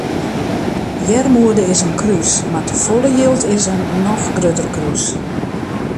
Earmoede is in krús mar te folle jild is in noch grutter krús.